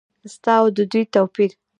ستا او د دوی توپیر ؟